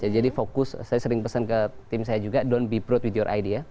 jadi fokus saya sering pesan ke tim saya juga don't be proud with your idea